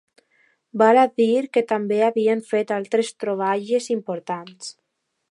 Val a dir que també havien fet altres troballes importants.